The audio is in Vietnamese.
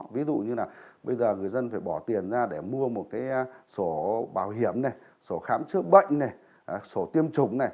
ví dụ như là bây giờ người dân phải bỏ tiền ra để mua một sổ bảo hiểm sổ khám chữa bệnh sổ tiêm chủng